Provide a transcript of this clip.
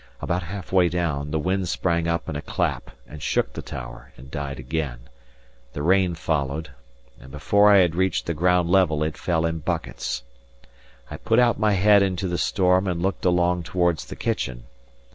About half way down, the wind sprang up in a clap and shook the tower, and died again; the rain followed; and before I had reached the ground level it fell in buckets. I put out my head into the storm, and looked along towards the kitchen.